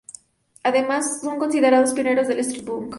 Además, son considerados pioneros del street punk.